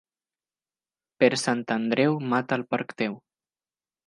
Per Sant Andreu mata el porc teu.